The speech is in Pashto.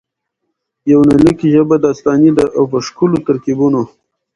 د يونليک ژبه داستاني ده او په ښکلو ترکيبونه.